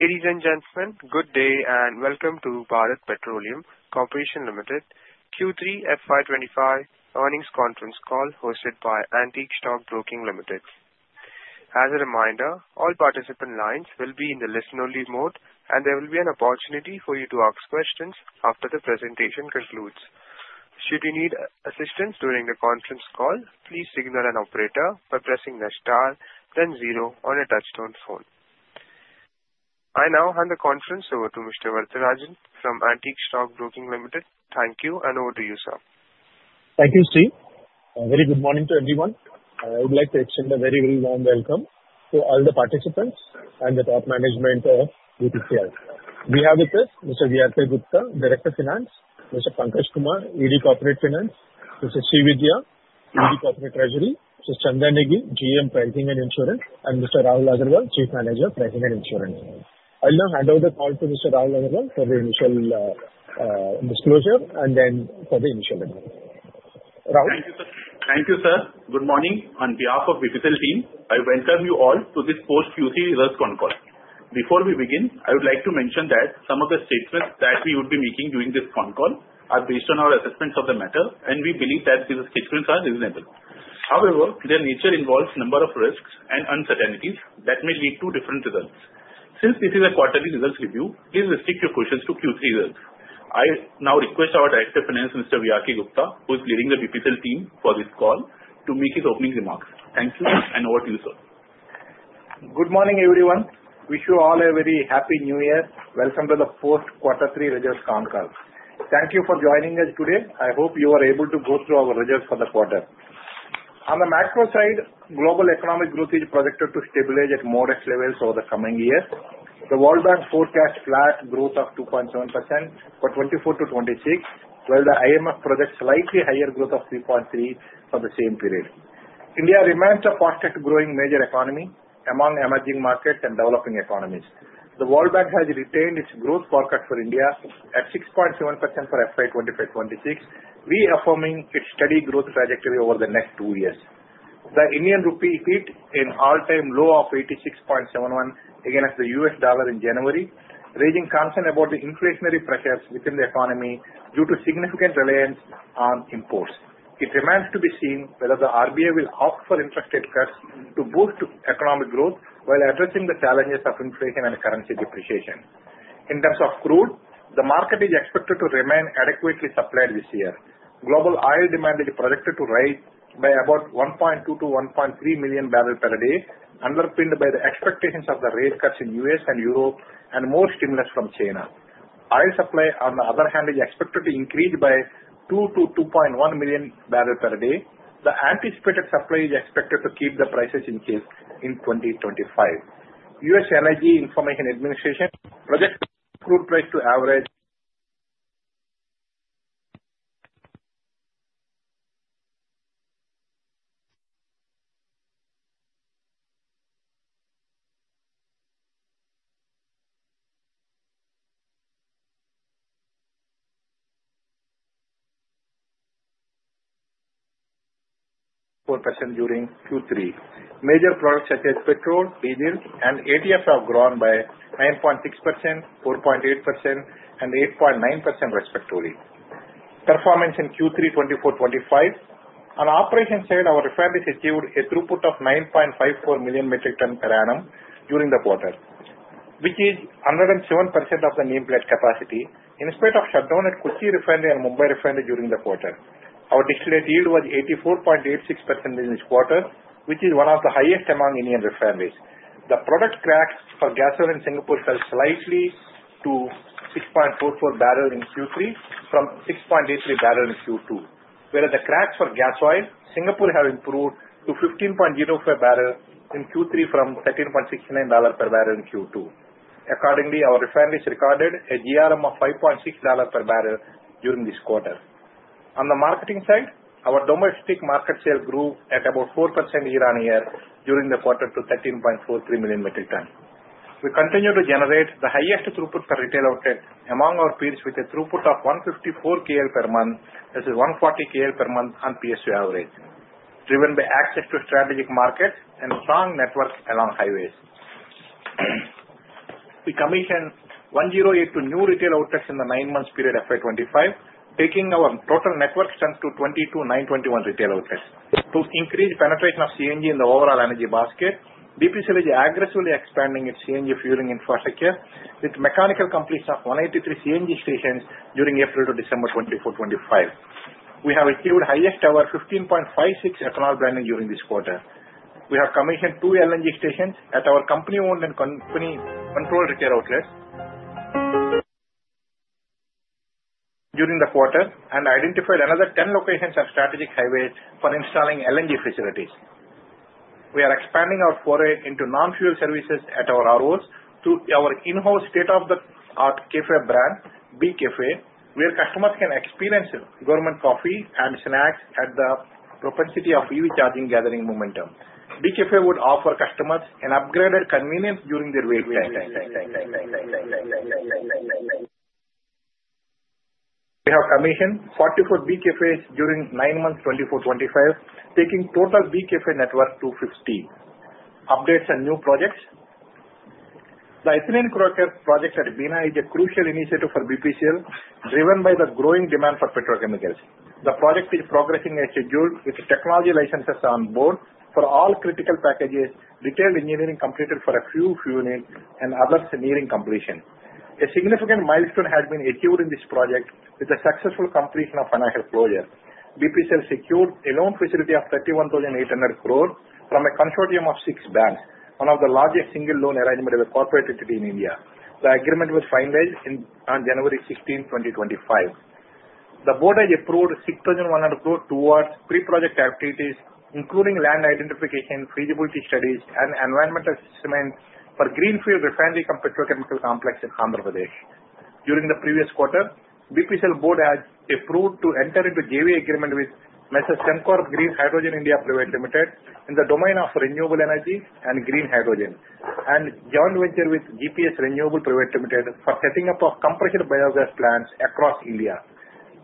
Ladies and gentlemen, good day and welcome to Bharat Petroleum Corporation Limited Q3 FY25 earnings conference call hosted by Antique Stock Broking Limited. As a reminder, all participant lines will be in the listen-only mode, and there will be an opportunity for you to ask questions after the presentation concludes. Should you need assistance during the conference call, please signal an operator by pressing the star, then zero on a touch-tone phone. I now hand the conference over to Mr. Varatharajan from Antique Stock Broking Limited. Thank you, and over to you, sir. Thank you, Sri. Very good morning to everyone. I would like to extend a very, very warm welcome to all the participants and the top management of BPCL. We have with us Mr. V.R.K. Gupta, Director of Finance; Mr. Pankaj Kumar, ED Corporate Finance; Mr. Srividya, ED Corporate Treasury; Mr. Chandan Negi, GM Pricing and Insurance; and Mr. Rahul Agarwal, Chief Manager, Pricing and Insurance. I'll now hand over the call to Mr. Rahul Agarwal for the initial disclosure and then for the initial report. Rahul? Thank you, sir. Good morning. On behalf of VTCL team, I welcome you all to this Post-Q3 Results Con Call. Before we begin, I would like to mention that some of the statements that we would be making during this con call are based on our assessments of the matter, and we believe that these statements are reasonable. However, their nature involves a number of risks and uncertainties that may lead to different results. Since this is a quarterly results review, please restrict your questions to Q3 results. I now request our Director of Finance, Mr. V.R.K. Gupta, who is leading the VTCL team for this call, to make his opening remarks. Thank you, and over to you, sir. Good morning, everyone. Wish you all a very happy New Year. Welcome to the Post-Q3 Results Con Call. Thank you for joining us today. I hope you were able to go through our results for the quarter. On the macro side, global economic growth is projected to stabilize at modest levels over the coming years. The World Bank forecasts flat growth of 2.7% for 2024 to 2026, while the IMF projects slightly higher growth of 3.3% for the same period. India remains as the fastest-growing major economy among emerging markets and developing economies. The World Bank has retained its growth forecast for India at 6.7% for FY 2025 and 26, reaffirming its steady growth trajectory over the next two years. The Indian rupee hit an all-time low of 86.71 against the U.S. dollar in January, raising concerns about the inflationary pressures within the economy due to significant reliance on imports. It remains to be seen whether the RBI will opt for interest rate cuts to boost economic growth while addressing the challenges of inflation and currency depreciation. In terms of crude, the market is expected to remain adequately supplied this year. Global oil demand is projected to rise by about 1.2 to 1.3 million barrels per day, underpinned by the expectations of the rate cuts in the U.S. and Europe and more stimulus from China. Oil supply, on the other hand, is expected to increase by 2 to 2.1 million barrel per day. The anticipated supply is expected to keep the prices in check in 2025. U.S. Energy Information Administration projects crude price to average $74 during Q3. Major products such as petrol, diesel, and ATF have grown by 9.6%, 4.8%, and 8.9% respectively. Performance in Q3 2024-25: On the operations side, our refinery has achieved a throughput of 9.54 million metric tons per annum during the quarter, which is 107% of the nameplate capacity, in spite of shutdown at Kochi Refinery and Mumbai Refinery during the quarter. Our distillate yield was 84.86% in this quarter, which is one of the highest among Indian refineries. The product cracks for gas oil in Singapore fell slightly to $6.44 per barrel in Q3 from $6.83 per barrel in Q2, whereas the cracks for gas oil in Singapore have improved to $per 15.04 barrel in Q3 from $13.69 per barrel in Q2. Accordingly, our refinery has recorded a GRM of $5.60 per barrel during this quarter. On the marketing side, our domestic market share grew at about 4% year-on-year during the quarter to 13.43 million metric tons. We continue to generate the highest throughput per retail outlet among our peers with a throughput of 154 KL per month, which is 140 KL per month on PSU average, driven by access to strategic markets and strong network along highways. We commissioned 108 new retail outlets in the nine-month period FY 2025, taking our total network strength to 22,921 retail outlets. To increase penetration of CNG in the overall energy basket, VTCL is aggressively expanding its CNG fueling infrastructure with mechanical completion of 183 CNG stations during April to December 2024 to 2025. We have achieved the highest-ever 15.56% ethanol blending during this quarter. We have commissioned two LNG stations at our company-owned and company-controlled retail outlets during the quarter and identified another 10 locations on strategic highways for installing LNG facilities. We are expanding our foray into non-fuel services at our ROs through our in-house state-of-the-art café brand, Bee Café, where customers can experience gourmet coffee and snacks at the epicenter of EV charging gathering momentum. Bee Café would offer customers an upgraded convenience during their waiting time. We have commissioned 44 Bee Cafés during nine months 24 to 25, taking total Bee Café network to 15. Updates and new projects: The Ethylene Cracker project at Bina is a crucial initiative for VTCL, driven by the growing demand for petrochemicals. The project is progressing as scheduled with technology licenses on board for all critical packages, detailed engineering completed for a few fueling and other engineering completions. A significant milestone has been achieved in this project with the successful completion of financial closure. VTCL secured a loan facility of 31,800 crores from a consortium of six banks, one of the largest single-loan arrangements of a corporate entity in India. The agreement was finalized on January 16, 2025. The Board has approved 6,100 crores towards pre-project activities, including land identification, feasibility studies, and environmental assessment for Greenfield Refinery Petrochemical Complex in Andhra Pradesh. During the previous quarter, VTCL Board has approved to enter into a JV agreement with Sembcorp Green Hydrogen India Pvt. Ltd. in the domain of renewable energy and green hydrogen, and joint venture with GPS Renewables Pvt. Ltd. for setting up compressed biogas plants across India.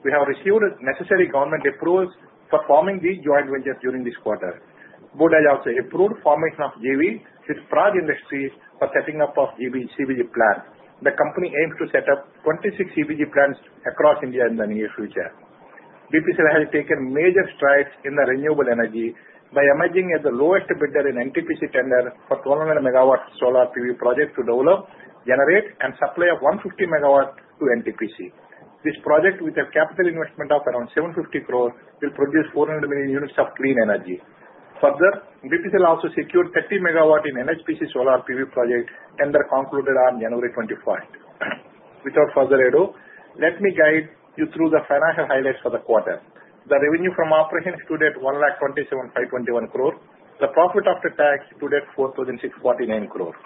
We have received necessary government approvals for forming these joint ventures during this quarter. The Board has also approved the formation of a JV with Praj Industries for setting up CBG plants. The company aims to set up 26 CBG plants across India in the near future. VTCL has taken major strides in renewable energy by emerging as the lowest bidder in NTPC tender for a 1,200 MW solar PV project to develop, generate, and supply 150 MW to NTPC. This project, with a capital investment of around 750 crores, will produce 400 million units of clean energy. Further, VTCL also secured a 30 MW NHPC solar PV project tender concluded on January 24. Without further ado, let me guide you through the financial highlights for the quarter. The revenue from operations today is 127,521 crores. The profit after tax today is 4,649 crores.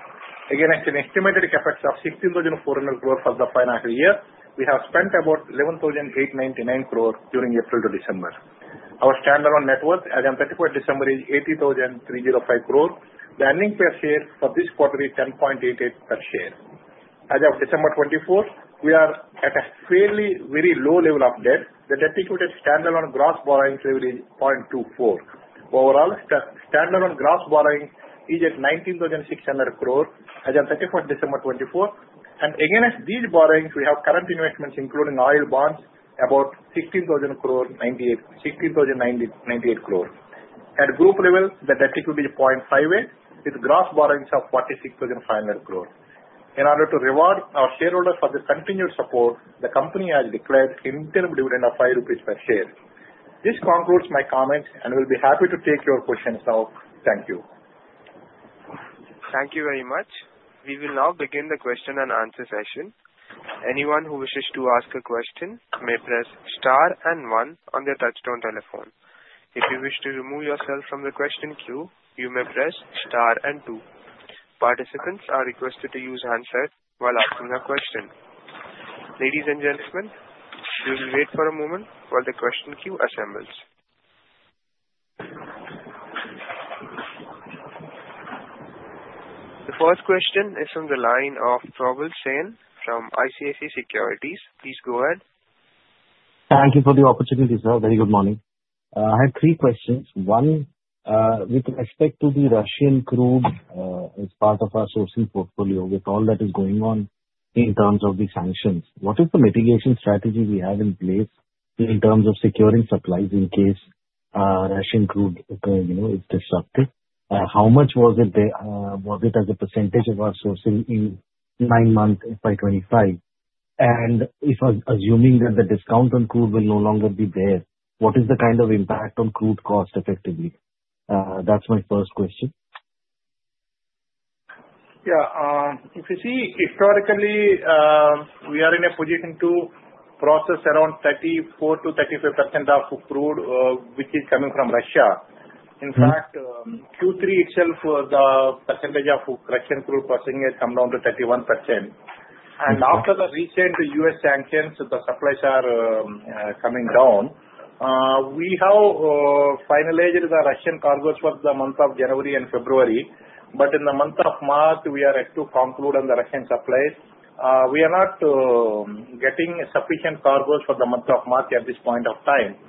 Again, at an estimated CAPEX of 16,400 crores for the financial year, we have spent about 11,899 crores during April to December. Our standalone net worth as of 31st December is 80,305 crores. The earnings per share for this quarter is 10.88 per share. As of December 24, we are at a fairly very low level of debt. The debt/EBITDA standalone gross borrowing level is 0.24. Overall, standalone gross borrowing is at 19,600 crores as of 31st December 2024. Again, at these borrowings, we have current investments, including oil bonds, about 16,098 crores. At group level, the debt/EBITDA is 0.58 with gross borrowings of 46,500 crores. In order to reward our shareholders for their continued support, the company has declared an interim dividend of ₹5 per share. This concludes my comments, and we'll be happy to take your questions. Thank you. Thank you very much. We will now begin the question and answer session. Anyone who wishes to ask a question may press star and one on their touch-tone telephone. If you wish to remove yourself from the question queue, you may press star and two. Participants are requested to use handsets while asking a question. Ladies and gentlemen, we will wait for a moment while the question queue assembles. The first question is from the line of Probal Sen from ICICI Securities. Please go ahead. Thank you for the opportunity, sir. Very good morning. I have three questions. One, with respect to the Russian crude as part of our sourcing portfolio, with all that is going on in terms of the sanctions, what is the mitigation strategy we have in place in terms of securing supplies in case Russian crude is disrupted? How much was it as a percentage of our sourcing in nine months by 25? And if assuming that the discount on crude will no longer be there, what is the kind of impact on crude cost effectively? That's my first question. Yeah. You see, historically, we are in a position to process around 34% to 35% of crude, which is coming from Russia. In fact, Q3 itself, the percentage of Russian crude processing has come down to 31%. After the recent U.S. sanctions, the supplies are coming down. We have finalized the Russian cargoes for the month of January and February, but in the month of March, we are yet to conclude on the Russian supplies. We are not getting sufficient cargoes for the month of March at this point of time.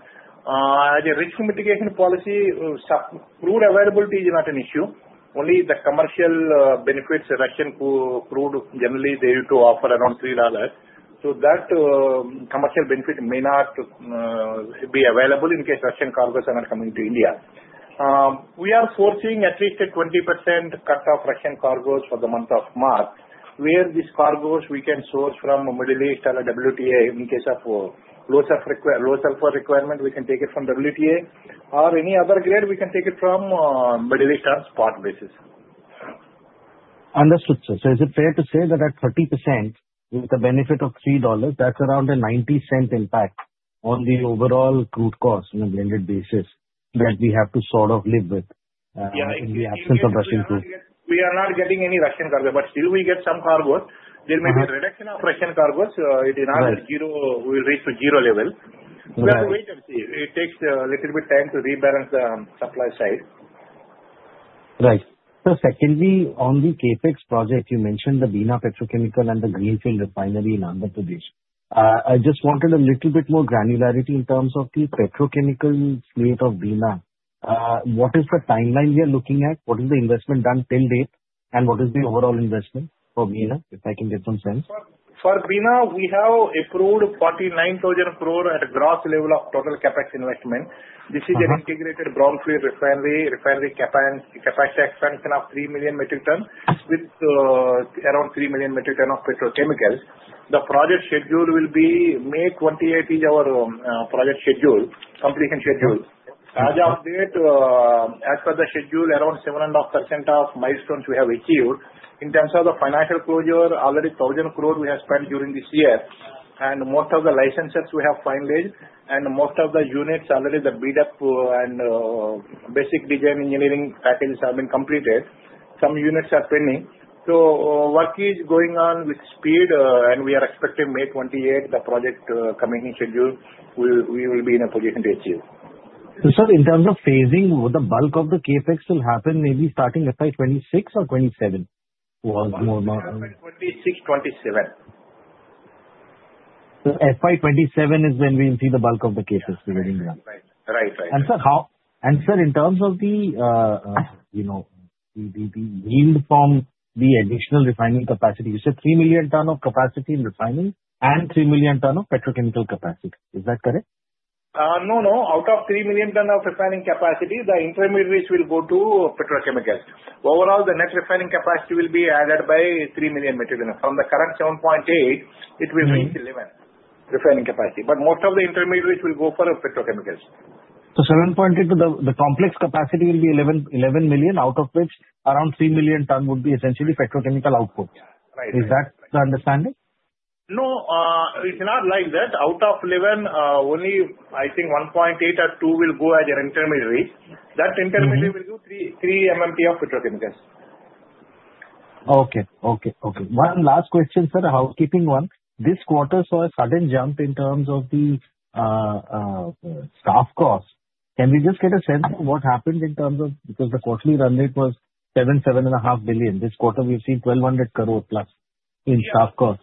As a risk mitigation policy, crude availability is not an issue. Only the commercial benefits of Russian crude generally they need to offer around $3. So that commercial benefit may not be available in case Russian cargoes are not coming to India. We are facing at least a 20% cut of Russian cargoes for the month of March, where these cargoes we can source from Middle East or WTI. In case of low sulfur requirement, we can take it from WTA, or any other grade, we can take it from Middle East on a spot basis. Understood, sir. Is it fair to say that at 30% with the benefit of $3, that's around $0.90 impact on the overall crude cost on a blended basis that we have to sort of live with in the absence of Russian crude? We are not getting any Russian cargo, but still we get some cargoes. There may be a reduction of Russian cargoes. It is not at zero. We'll reach zero level. We have to wait and see. It takes a little bit of time to rebalance the supply side. Right. Secondly, on the CAPEX project, you mentioned the Bina Petrochemical and the Greenfield Refinery in Andhra Pradesh. I just wanted a little bit more granularity in terms of the petrochemical fleet of Bina. What is the timeline we are looking at? What is the investment done till date, and what is the overall investment for Bina, if I can get some sense? For Bina, we have approved 49,000 crores at a gross level of total CAPEX investment. This is an integrated brownfield refinery, refinery CAPEX expansion of 3 million metric tons with around 3 million metric tons of petrochemicals. The project schedule will be May 28 2027 is our project schedule, completion schedule. As of date, as per the schedule, around 7.5% of milestones we have achieved. In terms of the financial closure, already 1,000 crores we have spent during this year, and most of the licenses we have finalized, and most of the units already the build-up and basic design engineering packages have been completed. Some units are pending. Work is going on with speed, and we are expecting May 28 2027, the project coming in schedule, we will be in a position to achieve. Sir, in terms of phasing, the bulk of the CAPEX will happen maybe starting FY 2026 or 2027? FY 2026, 2027. FY 27 is when we will see the bulk of the CAPEX beginning now. Right, right. Sir, in terms of the yield from the additional refining capacity, you said 3 million tons of capacity in refining and 3 million tons of petrochemical capacity. Is that correct? No, no. Out of 3 million tons of refining capacity, the intermediates will go to petrochemicals. Overall, the net refining capacity will be added by 3 million metric tons. From the current 7.8, it will reach 11 refining capacity. But most of the intermediates will go for petrochemicals. 7.8, the complex capacity will be 11 million, out of which around 3 million tons would be essentially petrochemical output. Is that the understanding? No, it's not like that. Out of 11, only I think 1.8 or 2 will go as an intermediary. That intermediary will do 3 MMTPA of petrochemicals. Okay. One last question, sir, a housekeeping one. This quarter saw a sudden jump in terms of the staff cost. Can we just get a sense of what happened in terms of because the quarterly run rate was 7-7.5 billion. This quarter, we've seen 1,200 crores plus in staff cost.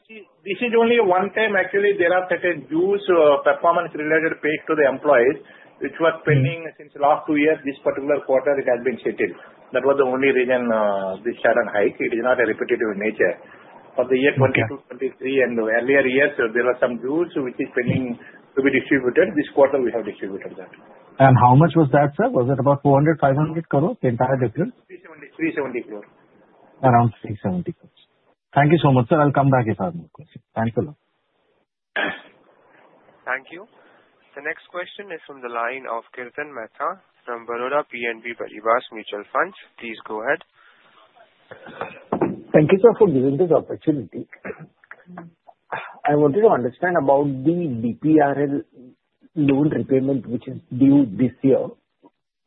This is only one time. Actually, there are certain dues performance-related paid to the employees, which were pending since last two years. This particular quarter, it has been settled. That was the only reason this sudden hike. It is not a repetitive nature. For the year 2022 and 2023, and earlier years, there were some dues which are pending to be distributed. This quarter, we have distributed that. How much was that, sir? Was it about 400-500 crores? The entire difference? 370 crores. Around 370 crores. Thank you so much, sir. I'll come back if I have more questions. Thank you a lot. Thank you. The next question is from the line of Kirtan Mehta from Baroda BNP Paribas Mutual Fund. Please go ahead. Thank you, sir, for giving this opportunity. I wanted to understand about the BPRL loan repayment, which is due this year.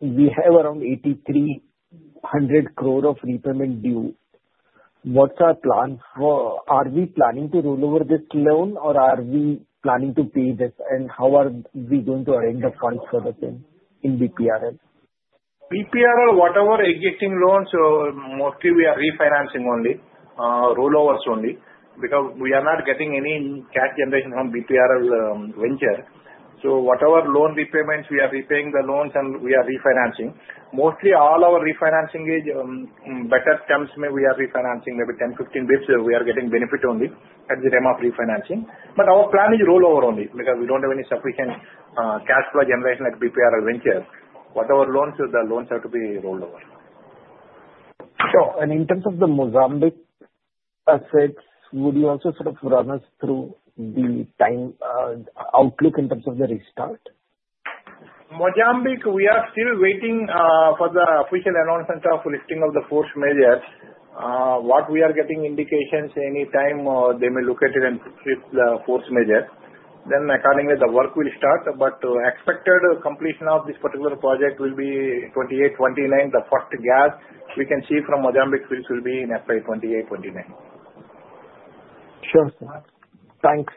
We have around 8,300 crores of repayment due. What's our plan? Are we planning to roll over this loan, or are we planning to pay this? How are we going to arrange the funds for the same in BPRL? BPRL, whatever existing loans, mostly we are refinancing only, rollovers only, because we are not getting any cash generation on BPRL venture. Whatever loan repayments, we are repaying the loans, and we are refinancing. Mostly, all our refinancing is better terms. We are refinancing maybe 10 to 15 basis points. We are getting benefit only at the time of refinancing. But our plan is rollover only because we don't have any sufficient cash flow generation at BPRL venture. Whatever loans, the loans have to be rolled over. In terms of the Mozambique assets, would you also sort of run us through the time outlook in terms of the restart? Mozambique, we are still waiting for the official announcement of lifting of the force majeure. What we are getting indications, any time they may look at it and lift the force majeure. Then, accordingly, the work will start. But expected completion of this particular project will be 2028 to 2029. The first gas we can see from Mozambique will be in FY 2028 and 2029. Sure, sir. Thanks.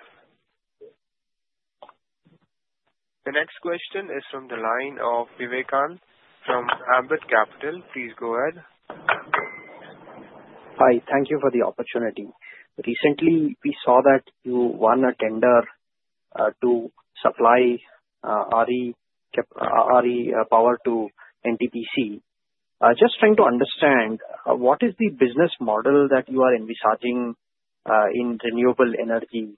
The next question is from the line of Vivekanand from Ambit Capital. Please go ahead. Hi. Thank you for the opportunity. Recently, we saw that you won a tender to supply RE power to NTPC. Just trying to understand, what is the business model that you are envisaging in renewable energy?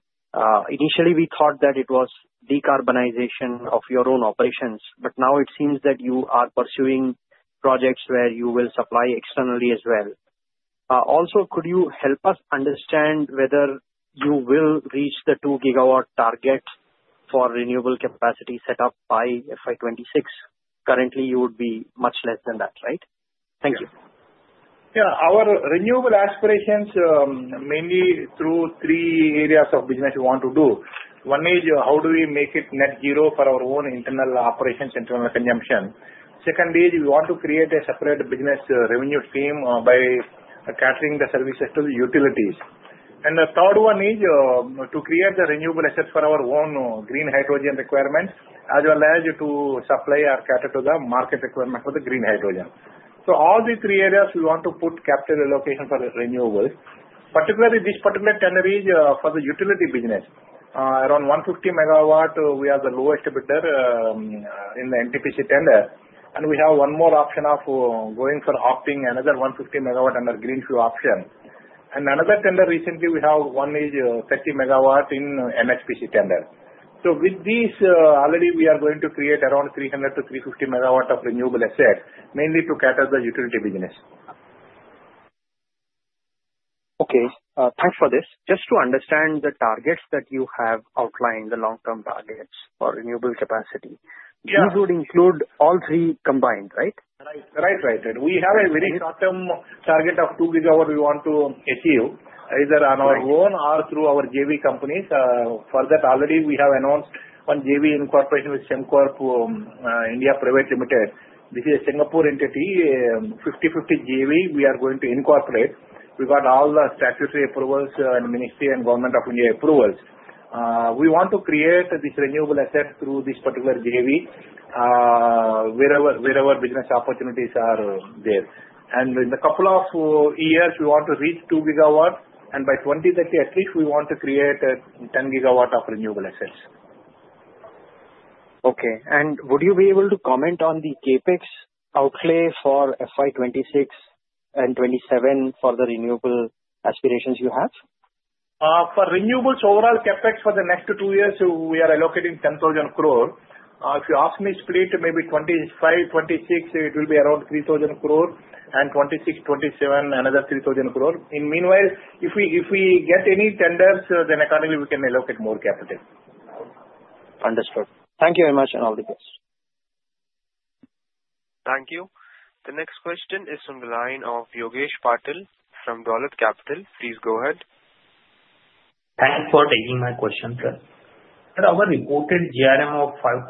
Initially, we thought that it was decarbonization of your own operations, but now it seems that you are pursuing projects where you will supply externally as well. Also, could you help us understand whether you will reach the two gigawatt target for renewable capacity setup by FY 26? Currently, you would be much less than that, right? Thank you. Yeah. Our renewable aspirations mainly through three areas of business we want to do. One is, how do we make it Net Zero for our own internal operations, internal consumption? Second is, we want to create a separate business revenue stream by catering the services to the utilities. The third one is to create the renewable assets for our own Green Hydrogen requirements, as well as to supply our cater to the market requirement for the Green Hydrogen. All these three areas we want to put capital allocation for renewables. Particularly, this particular tender is for the utility business. Around 150 megawatts, we are the lowest bidder in the NTPC tender. We have one more option of going for opting another 150 megawatts under greenfield option. Another tender recently we have one is 30 megawatts in NHPC tender. With these, already we are going to create around 300 to 350 megawatt of renewable assets, mainly to cater for the utility business. Okay. Thanks for this. Just to understand the targets that you have outlined, the long-term targets for renewable capacity, these would include all three combined, right? Right, right, right. We have a very short-term target of two gigawatts we want to achieve, either on our own or through our JV companies. For that, already we have announced one JV incorporation with Sembcorp India Private Limited. This is a Singapore entity, 50/50 JV we are going to incorporate. We got all the statutory approvals and Ministry and Government of India approvals. We want to create this renewable asset through this particular JV wherever business opportunities are there. In a couple of years, we want to reach two gigawatts. By 2030, at least we want to create 10 gigawatts of renewable assets. Okay, and would you be able to comment on the CAPEX outlay for FY 2026 and 2027 for the renewable aspirations you have? For renewables, overall CAPEX for the next two years, we are allocating 10,000 crores. If you ask me split between 2025 and 2026, it will be around 3,000 crores, and between 2026 and 2027, another 3,000 crores. In the meanwhile, if we get any tenders, then accordingly, we can allocate more capital. Understood. Thank you very much and all the best. Thank you. The next question is from the line of Yogesh Patil from Dolat Capital. Please go ahead. Thanks for taking my question, sir. Sir, our reported GRM of $5.6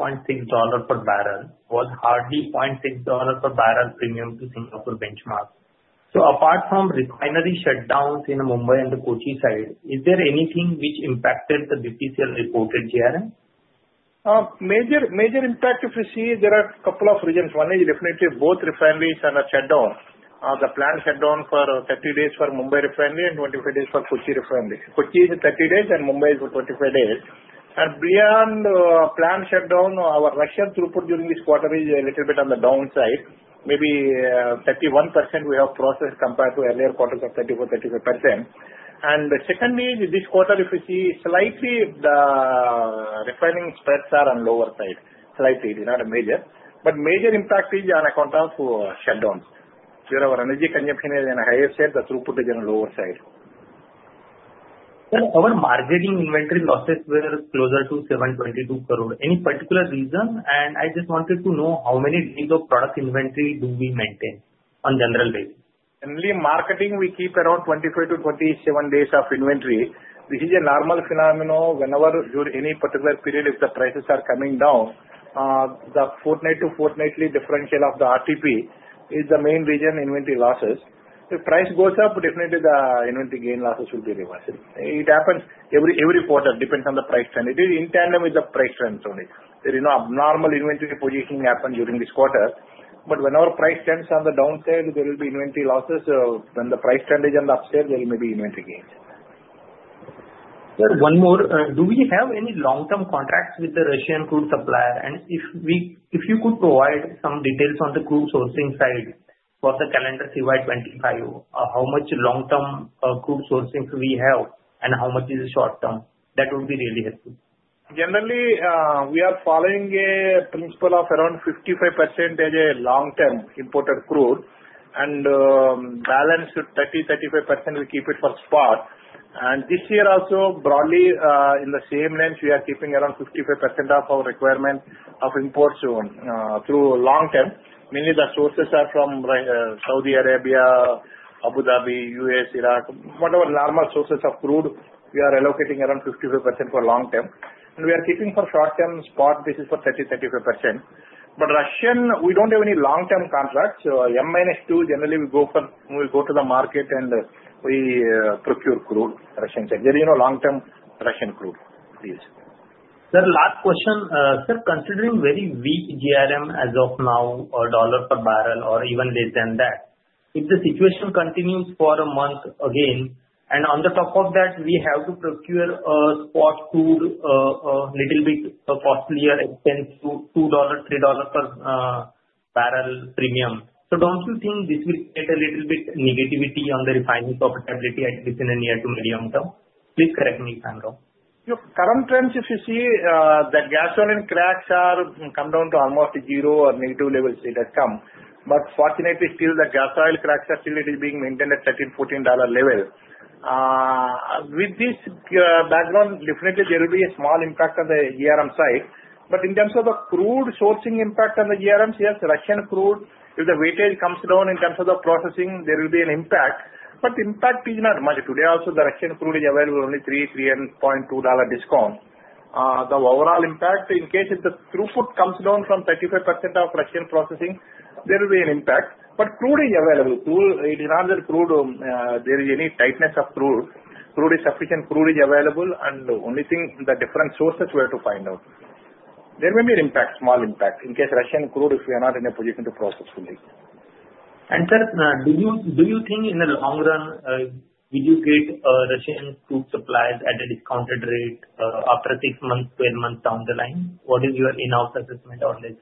per barrel was hardly $0.6 per barrel premium to Singapore benchmark. Apart from refinery shutdowns in Mumbai and the Kochi side, is there anything which impacted the BPCL reported GRM? Major impact, you see, there are a couple of reasons. One is definitely both refineries are shut down. The planned shutdown for 30 days for Mumbai refinery and 25 days for Kochi refinery. Kochi is 30 days and Mumbai is for 25 days. Beyond planned shutdown, our Russian throughput during this quarter is a little bit on the downside. Maybe 31% we have processed compared to earlier quarters of 34, 35%. The second is this quarter, if you see, slightly the refining spreads are on lower side. Slightly. It is not major. But major impact is on account of shutdowns. Where our energy consumption is in a higher share, the throughput is on the lower side. Sir, our marketing inventory losses were closer to 722 crores. Any particular reason? I just wanted to know how many days of product inventory do we maintain on general basis? Only marketing, we keep around 25 to 27 days of inventory. This is a normal phenomenon whenever during any particular period if the prices are coming down, the fortnight to fortnightly differential of the RTP is the main reason inventory losses. If price goes up, definitely the inventory gain losses will be reversed. It happens every quarter, depends on the price trend. It is in tandem with the price trends only. There is no abnormal inventory positioning happened during this quarter. But when our price trends are on the downside, there will be inventory losses. When the price trend is on the upside, there may be inventory gains. Sir, one more. Do we have any long-term contracts with the Russian crude supplier? If you could provide some details on the crude sourcing side for the calendar 2025, how much long-term crude sourcing do we have and how much is the short-term? That would be really helpful. Generally, we are following a principle of around 55% as a long-term imported crude, and balance 30% to 35% we keep it for spot. This year also, broadly along the same lines, we are keeping around 55% of our requirement of imports through long-term. Mainly the sources are from Saudi Arabia, Abu Dhabi, U.S., Iraq, whatever normal sources of crude, we are allocating around 55% for long-term, and we are keeping for short-term spot basis for 30% to 35%. But Russian, we don't have any long-term contracts. Month-to-month, generally we go to the market and we procure crude, Russian crude. There is no long-term Russian crude. Sir, last question. Sir, considering very weak GRM as of now, $ per barrel or even less than that, if the situation continues for a month again, and on top of that, we have to procure sour crude a little bit costlier expense to $2 to 3 per barrel premium, so don't you think this will create a little bit negativity on the refining profitability within a near- to medium-term? Please correct me if I'm wrong. Current trends, if you see, the gas oil cracks have come down to almost zero or negative levels that come. But fortunately, still the gas oil cracks are still being maintained at $13 to 14 level. With this background, definitely there will be a small impact on the GRM side. But in terms of the crude sourcing impact on the GRMs, yes, Russian crude, if the weightage comes down in terms of the processing, there will be an impact. But impact is not much. Today also, the Russian crude is available only $3 to3.2 dollar discount. The overall impact, in case if the throughput comes down from 35% of Russian processing, there will be an impact. But crude is available. It is not that crude there is any tightness of crude. Crude is sufficient, crude is available, and the only thing the different sources were to find out. There may be an impact, small impact, in case Russian crude if we are not in a position to process fully. Sir, do you think in the long run, will you get Russian crude supplies at a discounted rate after six months, 12 months down the line? What is your in-house assessment on this?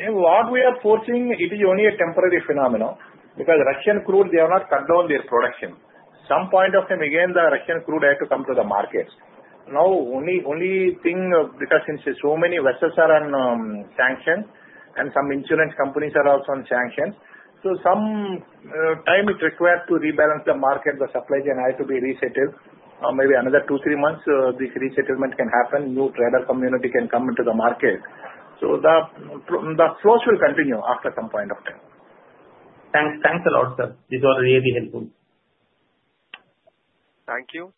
What we are facing, it is only a temporary phenomenon because Russian crude, they have not cut down their production. Some point of time, again, the Russian crude had to come to the market. Now, only thing because since so many vessels are on sanctions and some insurance companies are also on sanctions, so some time it required to rebalance the market. The supply chain had to be resettled. Maybe another 2 to 3 months, this resettlement can happen. New trader community can come into the market. The flows will continue after some point of time. Thanks. Thanks a lot, sir. This was really helpful. Thank you.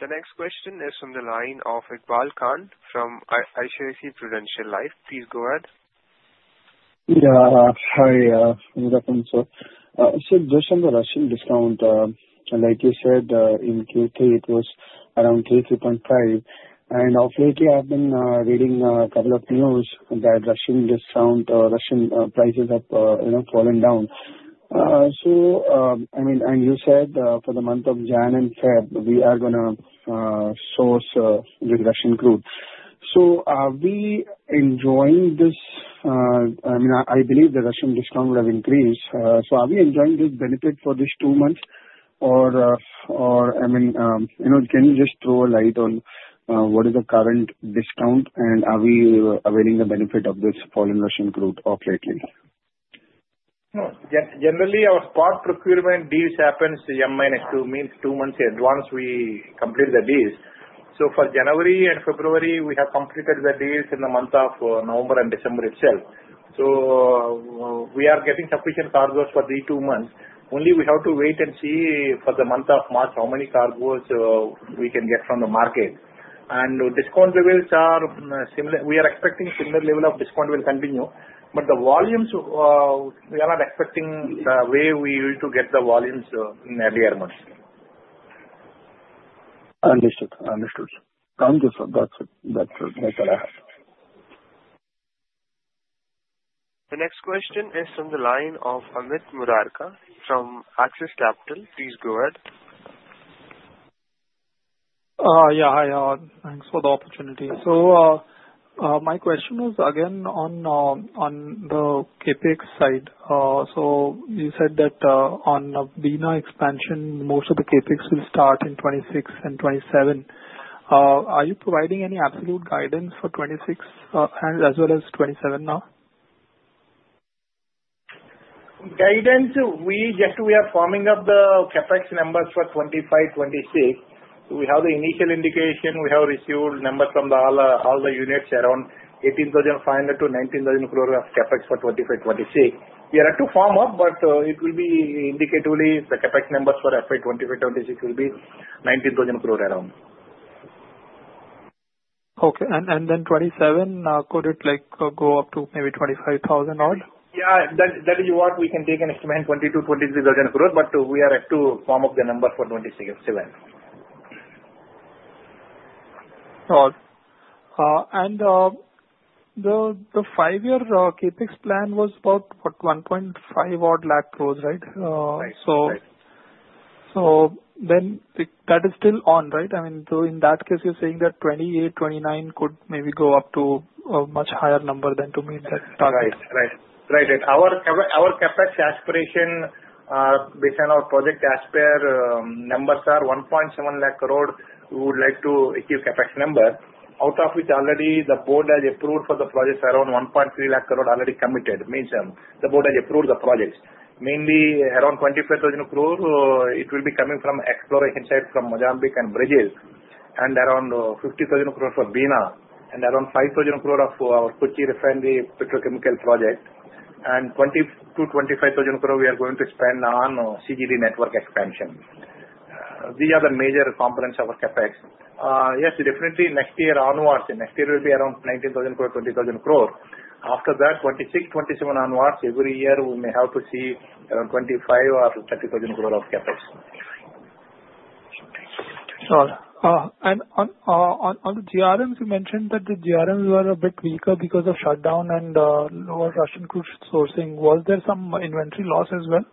The next question is from the line of Iqbal Khan from ICICI Prudential Life. Please go ahead. Yeah. Hi. Sir, just on the Russian discount, like you said, in Q3, it was around 3 to 3.5. Lately, I've been reading a couple of news that Russian discount, Russian prices have fallen down. I mean, and you said for the month of January and February, we are going to source with Russian crude. Are we enjoying this? I mean, I believe the Russian discount will have increased. Are we enjoying this benefit for these two months? Or I mean, can you just throw a light on what is the current discount and are we availing the benefit of this fall in Russian crude lately? Generally, our spot procurement deals happens M-2, means two months in advance we complete the deals. For January and February, we have completed the deals in the month of November and December itself. We are getting sufficient cargoes for these two months. Only we have to wait and see for the month of March, how many cargoes we can get from the market. Discount levels are similar. We are expecting similar level of discount will continue. But the volumes, we are not expecting the way we used to get the volumes in earlier months. Understood. Understood. Thank you, sir. That's it. That's all I have. The next question is from the line of Amit Murarka from Axis Capital. Please go ahead. Yeah. Hi. Thanks for the opportunity. My question was again on the CAPEX side. You said that on Bina expansion, most of the CAPEX will start in 2026 and 2027. Are you providing any absolute guidance for 2026 as well as 2027 now? Guidance. Just we are forming up the CAPEX numbers for 2025 and 2026. We have the initial indication. We have received numbers from all the units around 18,500 to 19,000 crores of CAPEX for 2025, 2026. We are to form up, but it will be indicatively the CAPEX numbers for FY 2025 and 2026 will be 19,000 crores around. Okay. Then 27, could it go up to maybe 25,000 odd? Yeah. That is what we can take and expand 22-23,000 crores. But we are to firm up the number for 26 to 27. All right, and the five-year CAPEX plan was about, what, 1.5 odd lakh crores, right? Right. Right. Then that is still on, right? I mean, so in that case, you're saying that 28, 29 could maybe go up to a much higher number than to meet that target? Our CAPEX aspiration based on our Project Aspire numbers are 1.7 lakh crores. We would like to achieve CAPEX number. Out of which, already the Board has approved for the projects around 1.3 lakh crores already committed, mainstream. The Board has approved the projects. Mainly around 25,000 crores, it will be coming from exploration sites from Mozambique and Brazil. Around 50,000 crores for Bina. Around 5,000 crores for our Kochi refinery petrochemical project. 20,000-25,000 crores we are going to spend on CGD network expansion. These are the major components of our CAPEX. Yes, definitely next year onwards, next year will be around 19,000 to 20,000 crores. After that, 2026 and 2027 onwards, every year we may have to see around 25,000 or 30,000 crores of CAPEX. All right. On the GRMs, you mentioned that the GRMs were a bit weaker because of shutdown and lower Russian crude sourcing. Was there some inventory loss as well?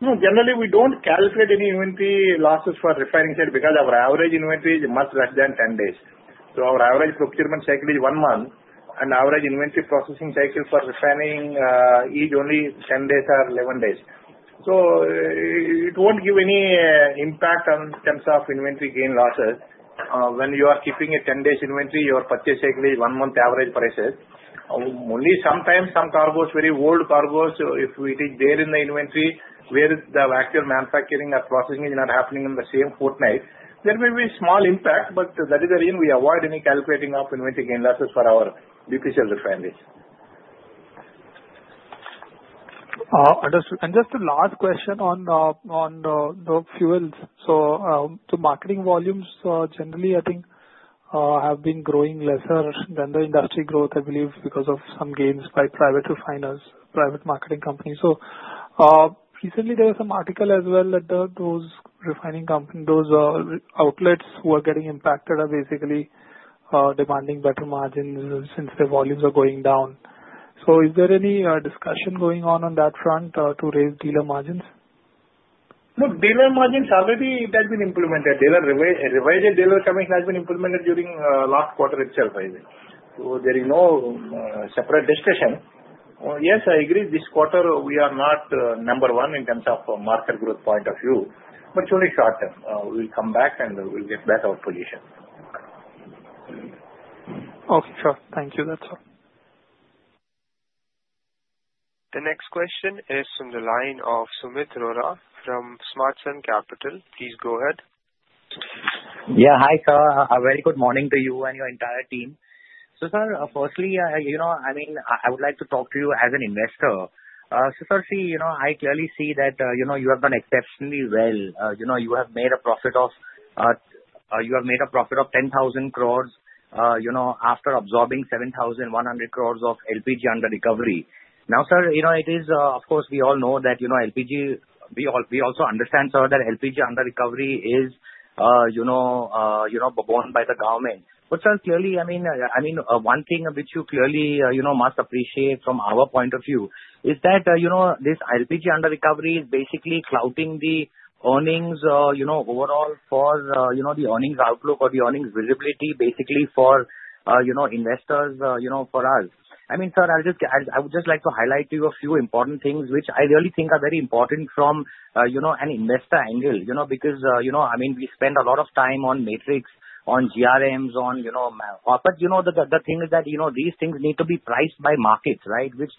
No. Generally, we don't calculate any inventory losses for refining sites because our average inventory is much less than 10 days. Our average procurement cycle is one month. Average inventory processing cycle for refining is only 10 days or 11 days. It won't give any impact in terms of inventory gain losses. When you are keeping a 10-day inventory, your purchase cycle is one month average prices. Only sometimes some cargoes, very old cargoes, if it is there in the inventory where the actual manufacturing or processing is not happening in the same fortnight, there may be a small impact, but that is again we avoid any calculating of inventory gain losses for our BPCL refineries. Understood. Just the last question on the fuels. The marketing volumes generally, I think, have been growing lesser than the industry growth, I believe, because of some gains by private refiners, private marketing companies. Recently, there was some article as well that those outlets who are getting impacted are basically demanding better margins since their volumes are going down. Is there any discussion going on on that front to raise dealer margins? Look, dealer margins already have been implemented. Revised dealer commission has been implemented during last quarter itself, I think. There is no separate discussion. Yes, I agree. This quarter, we are not number one in terms of market growth point of view. But surely short-term, we'll come back and we'll get back our position. Okay. Sure. Thank you. That's all. The next question is from the line of Sumit Arora from Smart Sun Capital. Please go ahead. Yeah. Hi, sir. A very good morning to you and your entire team. Sir, firstly, I mean, I would like to talk to you as an investor. Sir, see, I clearly see that you have done exceptionally well. You have made a profit of 10,000 crores after absorbing 7,100 crores of LPG under recovery. Now, sir, it is, of course, we all know that LPG we also understand, sir, that LPG under recovery is borne by the government. But, sir, clearly, I mean, one thing which you clearly must appreciate from our point of view is that this LPG under recovery is basically clouding the earnings overall for the earnings outlook or the earnings visibility basically for investors, for us. I mean, sir, I would just like to highlight to you a few important things which I really think are very important from an investor angle because, I mean, we spend a lot of time on metrics, on GRMs, but the thing is that these things need to be priced by markets, right, which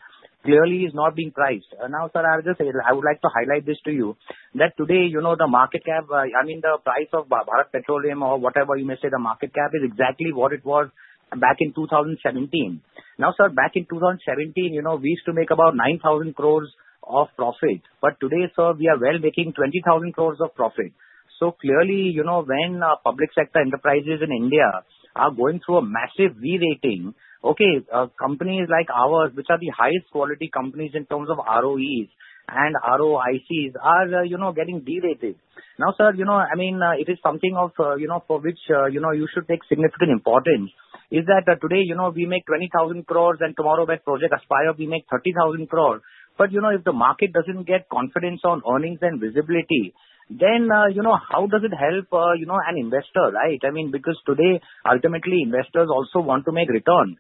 clearly is not being priced. Now, sir, I would just say I would like to highlight this to you that today, the market cap, I mean, the price of Bharat Petroleum or whatever you may say, the market cap is exactly what it was back in 2017. Now, sir, back in 2017, we used to make about 9,000 crores of profit. But today, sir, we are well making 20,000 crores of profit. Clearly, when public sector enterprises in India are going through a massive de-rating, okay, companies like ours, which are the highest quality companies in terms of ROEs and ROICs, are getting derated. Now, sir, I mean, it is something for which you should take significant importance is that today we make 20,000 crores and tomorrow by Project Aspire, we make 30,000 crores. But if the market doesn't get confidence on earnings and visibility, then how does it help an investor, right? I mean, because today, ultimately, investors also want to make return.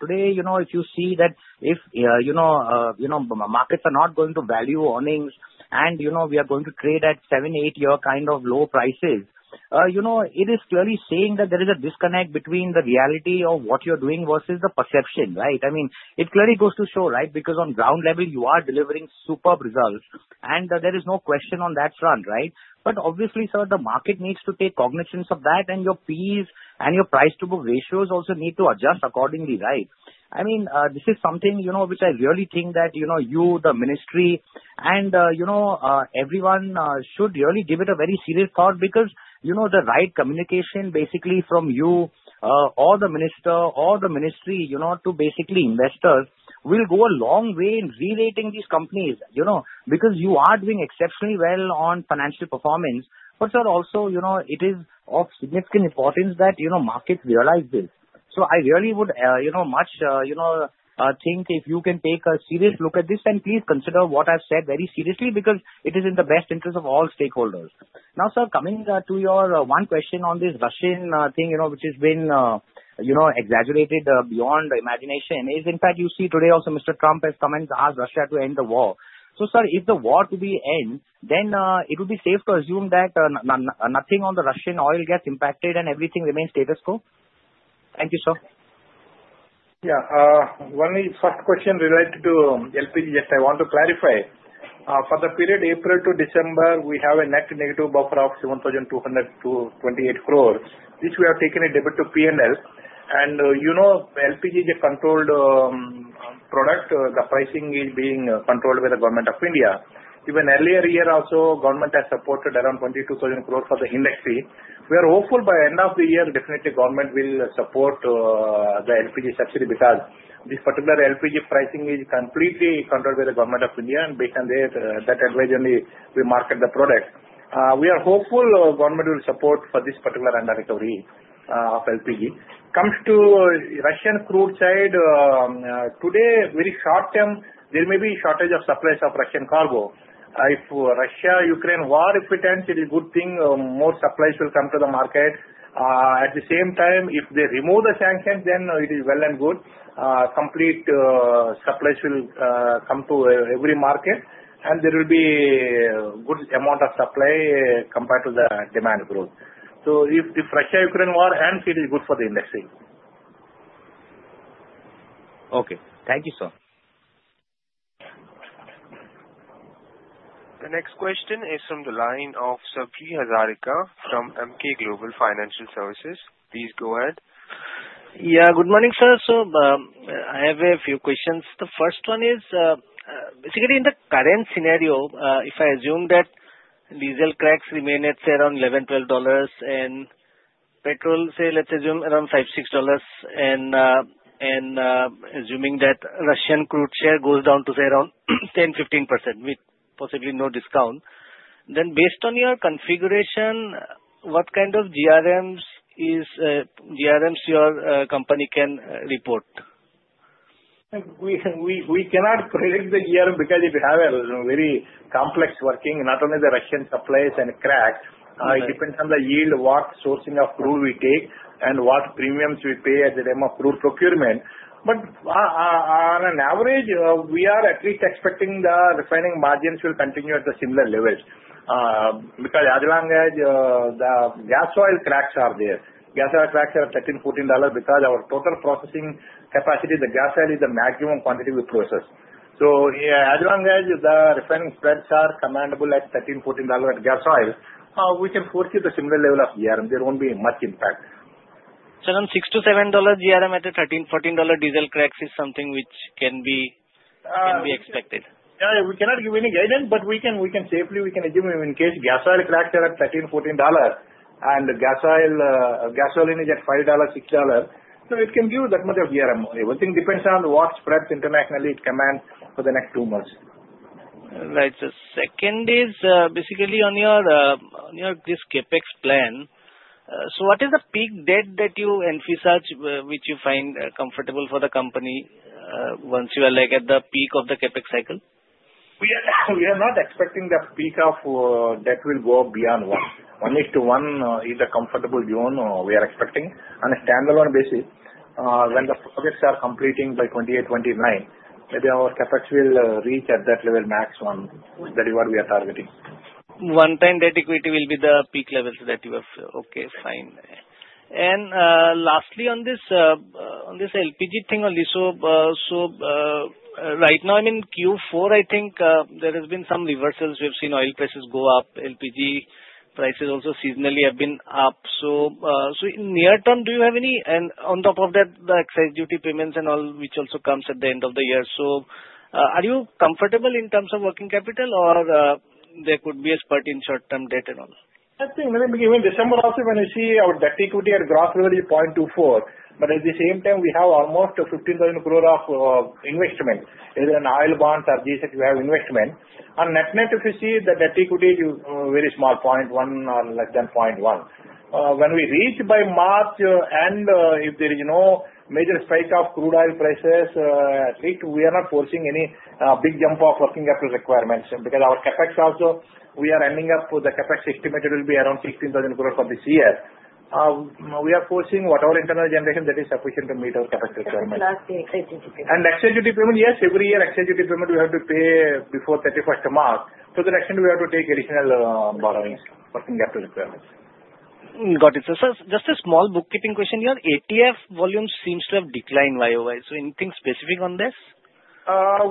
Today, if you see that if markets are not going to value earnings and we are going to trade at seven, eight-year kind of low prices, it is clearly saying that there is a disconnect between the reality of what you're doing versus the perception, right? I mean, it clearly goes to show, right, because on ground level, you are delivering superb results. There is no question on that front, right? But obviously, sir, the market needs to take cognizance of that. Your PEs and your price-to-book ratios also need to adjust accordingly, right? I mean, this is something which I really think that you, the ministry, and everyone should really give it a very serious thought because the right communication basically from you, or the minister, or the ministry to basically investors will go a long way in re-rating these companies because you are doing exceptionally well on financial performance. But, sir, also, it is of significant importance that markets realize this. I really would much think if you can take a serious look at this and please consider what I've said very seriously because it is in the best interest of all stakeholders. Now, sir, coming to your one question on this Russian thing, which has been exaggerated beyond imagination, is in fact, you see, today also Mr. Trump has commented on Russia to end the war. Sir, if the war to be end, then it would be safe to assume that nothing on the Russian oil gets impacted and everything remains status quo. Thank you, sir. Yeah. One first question related to LPG, just I want to clarify. For the period April to December, we have a net negative buffer of 7,228 crores, which we have taken a debit to P&L. LPG is a controlled product. The pricing is being controlled by the government of India. Even earlier year also, government has supported around 22,000 crores for the industry. We are hopeful by end of the year, definitely government will support the LPG subsidy because this particular LPG pricing is completely controlled by the government of India. Based on that, that advisory, we market the product. We are hopeful government will support for this particular under-recovery of LPG. Comes to Russian crude side, today, very short-term, there may be shortage of supplies of Russian cargo. If Russia-Ukraine war, if it ends, it is a good thing. More supplies will come to the market. At the same time, if they remove the sanctions, then it is well and good. Complete supplies will come to every market, and there will be a good amount of supply compared to the demand growth, so if Russia-Ukraine war ends, it is good for the industry. Okay. Thank you, sir. The next question is from the line of Sabri Hazarika from Emkay Global Financial Services. Please go ahead. Yeah. Good morning, sir. I have a few questions. The first one is basically in the current scenario, if I assume that diesel cracks remain, let's say, around $11 to 12, and petrol, say, let's assume around $5 to 6, and assuming that Russian crude share goes down to, say, around 10% to 15% with possibly no discount, then based on your configuration, what kind of GRMs your company can report? We cannot predict the GRM because if you have a very complex working, not only the Russian supplies and crack, it depends on the yield, what sourcing of crude we take, and what premiums we pay at the time of crude procurement. But on an average, we are at least expecting the refining margins will continue at the similar levels because as long as the gas oil cracks are there. Gas oil cracks are $13 to 14 because our total processing capacity, the gas oil is the maximum quantity we process. As long as the refining spreads are comfortable at $13 to 14 at gas oil, we can foresee the similar level of GRM. There won't be much impact. Then $6 to 7 GRM at the $13 to 14 diesel cracks is something which can be expected? Yeah. We cannot give any guidance, but we can safely assume in case gas oil cracks are at $13 to 14 and gas oil is at $5 to 6. It can give that much of GRM. Everything depends on what spreads internationally it commands for the next two months. Right. Second is basically on your this CAPEX plan. What is the peak debt that you envisage which you find comfortable for the company once you are at the peak of the CAPEX cycle? We are not expecting the peak of debt will go beyond 1.1 to 1, is a comfortable zone we are expecting. On a standalone basis, when the projects are completing by 2028 and 2029, maybe our CAPEX will reach at that level max 1, which is what we are targeting. 1.10 debt equity will be the peak level that you have. Okay. Fine. Lastly on this LPG thing only. Right now, I mean, Q4, I think there has been some reversals. We have seen oil prices go up. LPG prices also seasonally have been up. In near term, do you have any? On top of that, the excise duty payments and all which also comes at the end of the year. Are you comfortable in terms of working capital or there could be a spurt in short-term debt and all? I think when I begin in December also, when I see our debt equity at gross value 0.24. But at the same time, we have almost 15,000 crore of investment, either in oil bonds or these that you have investment. On net net, if you see the debt equity, very small, 0.1 or less than 0.1. When we reach by March and if there is no major spike of crude oil prices, at least we are not forcing any big jump of working capital requirements because our CAPEX also, we are ending up with the CAPEX estimated will be around 16,000 crores for this year. We are forcing whatever internal generation that is sufficient to meet our CAPEX requirement. Excise duty payment? Excise duty payment, yes. Every year, excise duty payment we have to pay before 31st of March. The next time, we have to take additional borrowings, working capital requirements. Got it. Just a small bookkeeping question here. ATF volume seems to have declined by a mile. Anything specific on this?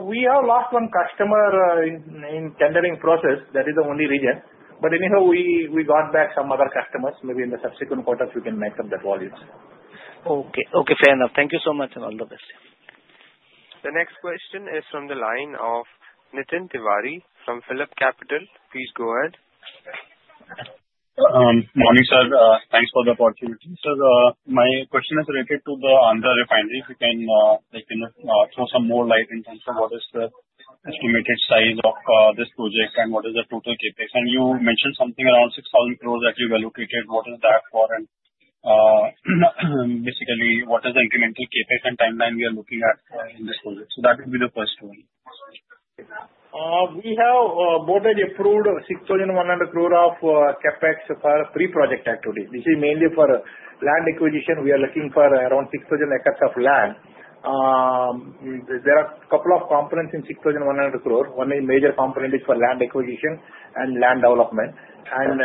We have lost one customer in tendering process. That is the only reason, but anyhow, we got back some other customers. Maybe in the subsequent quarters, we can make up that volume. Okay. Okay. Fair enough. Thank you so much and all the best. The next question is from the line of Nitin Tiwari from Phillip Capital. Please go ahead. Morning, sir. Thanks for the opportunity. Sir, my question is related to the Andhra refinery. If you can throw some more light in terms of what is the estimated size of this project and what is the total CAPEX? You mentioned something around 6,000 crores that you've allocated. What is that for? Basically, what is the incremental CAPEX and timeline we are looking at in this project? That would be the first one. We have already approved 6,100 crore of CAPEX for pre-project activity. This is mainly for land acquisition. We are looking for around 6,000 acres of land. There are a couple of components in 6,100 crore. One major component is for land acquisition and land development, and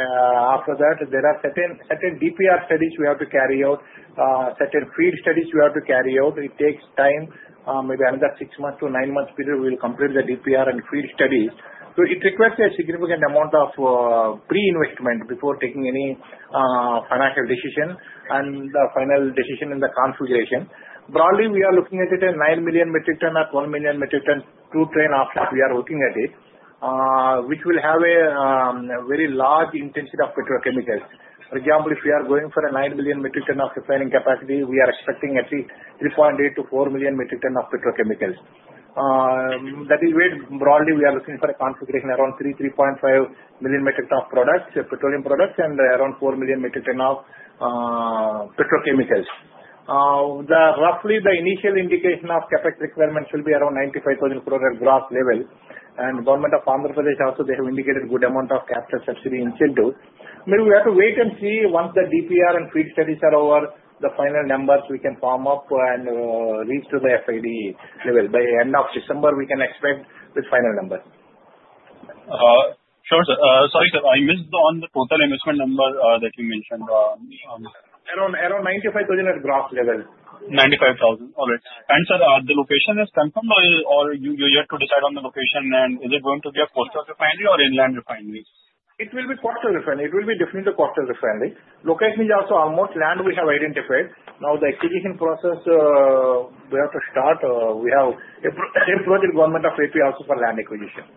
after that, there are certain DPR studies we have to carry out, certain field studies we have to carry out. It takes time, maybe another six months to nine months period, we will complete the DPR and field studies, so it requires a significant amount of pre-investment before taking any financial decision and the final decision in the configuration. Broadly, we are looking at it at 9 million metric tons or 12 million metric tons crude oil input. We are looking at it, which will have a very large integration of petrochemicals. For example, if we are going for a 9 million metric ton of refining capacity, we are expecting at least 3.8 to 4 million metric tons of petrochemicals. That is where broadly we are looking for a configuration around 3 to 3.5 million metric tons of petroleum products and around 4 million metric tons of petrochemicals. Roughly, the initial indication of CAPEX requirement should be around 95,000 crores at gross level, and Government of Andhra Pradesh also, they have indicated a good amount of capital subsidy incentive. Maybe we have to wait and see. Once the DPR and field studies are over, the final numbers, we can firm up and reach the FID level. By the end of December, we can expect the final number. Sure, sir. Sorry, sir. I missed on the total investment number that you mentioned. Around 95,000 crores gross level. 95,000 crores. All right. Sir, the location is confirmed or you yet to decide on the location? Is it going to be a coastal refinery or inland refinery? It will be coastal refinery. It will be definitely a coastal refinery. The location we have identified. Now, the execution process we have to start. We have a project. Government of AP also for land acquisition.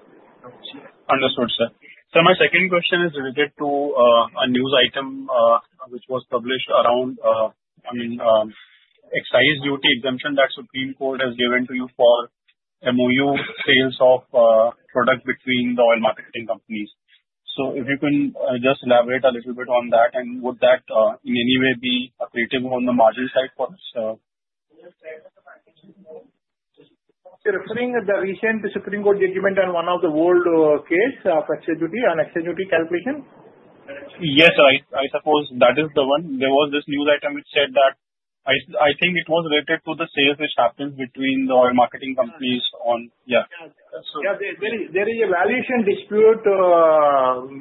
Understood, sir. Sir, my second question is related to a news item which was published around, I mean, excise duty exemption that Supreme Court has given to you for MOU sales of product between the Oil Marketing Companies. If you can just elaborate a little bit on that and would that in any way be accretive on the margin side for us? Sir, referring to the recent Supreme Court judgment on one of the old case of excise duty and excise duty calculation? Yes, sir. I suppose that is the one. There was this news item which said that I think it was related to the sales which happened between the oil marketing companies on. Yeah. Yeah. There is a valuation dispute